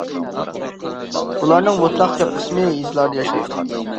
ئۇلارنىڭ مۇتلەق كۆپ قىسمى يېزىلاردا ياشايدۇ.